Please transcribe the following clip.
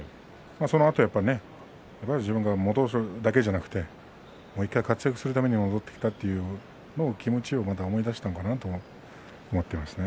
そのあと自分がもう１回活躍するために戻ってきたという気持ちを思い出したのかなと思っています